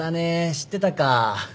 知ってたか。